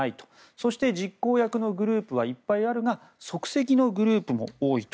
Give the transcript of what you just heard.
そして、実行役のグループはいっぱいあるが即席のグループも多いと。